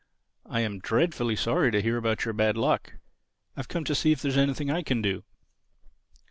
I am dreadfully sorry to hear about your bad luck. I've come to see if there is anything I can do."